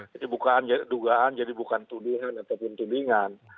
jadi bukan dugaan jadi bukan tudingan ataupun tudingan